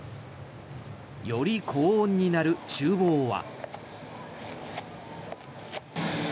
より高温になる厨房は。